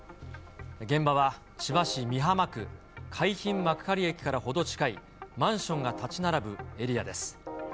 現場は千葉市美浜区、海浜幕張駅から程近い、マンションが建ち並ぶエリアです。